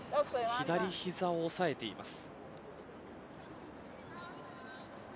左膝を押さえています。